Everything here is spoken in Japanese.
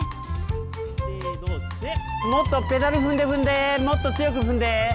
もっとペダル踏んで踏んでもっと強く踏んで。